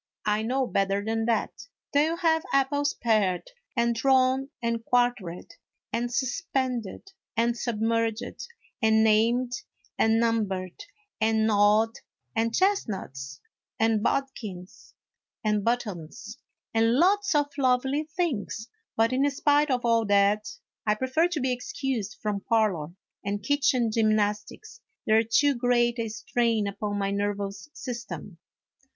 " I know better than that ; they '11 have apples pared, and drawn and quartered, and suspended, and submerged, and named, and numbered, and gnawed ; and chestnuts, and bodkins, and buttons, and lots of lovely things ; but, in spite of all that, I prefer to be excused from parlor and kitchen gym nastics, they 're too great a strain upon my nervous system."